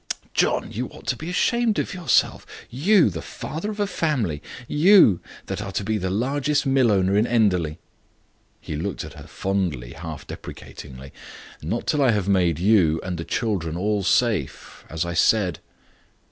"John, you ought to be ashamed of yourself! you the father of a family! you that are to be the largest mill owner at Enderley " He looked at her fondly, half deprecatingly. "Not till I have made you and the children all safe as I said."